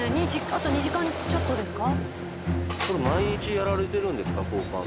あと２時間ちょっとですか？